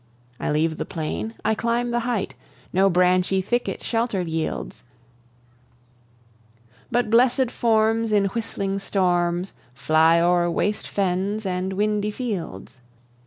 I leave the plain, I climb the height; No branchy thicket shelter yields; But blessèd forms in whistling storms Fly o'er waste fens and windy fields.